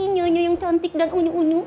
nyonya yang cantik dan unyu unyu